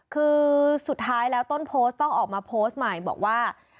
คือสุดท้ายแล้วต้นโพสต์ต้องออกมาโพสต์ใหม่บอกว่า